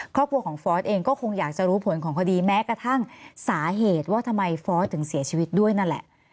ครอบครัวของฟอสเองก็คงอยากจะรู้ผลของคดีแม้กระทั่งสาเหตุว่าทำไมฟอร์สถึงเสียชีวิตด้วยนั่นแหละ